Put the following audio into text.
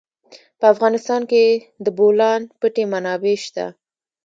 په افغانستان کې د د بولان پټي منابع شته.